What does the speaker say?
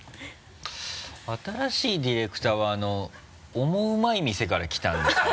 新しいディレクターは「オモウマい店」から来たんですかね？